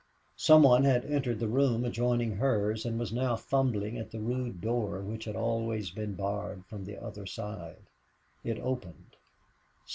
Some one had entered the room adjoining hers and was now fumbling at the rude door which had always been barred from the other side. It opened.